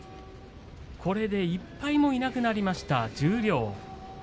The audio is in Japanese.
１敗もいなくなりました十両。